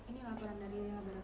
ini laporan dari